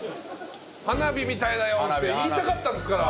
「花火みたいだよ！」って言いたかったんですから。